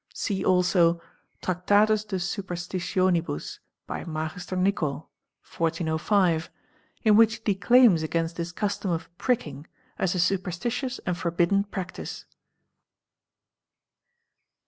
See also " T'ractatus de superstitionibus"' by Magister Nicol, 1405 @" in which he declaims against this custom of " pricking''. as a superstitious and forbidden practice.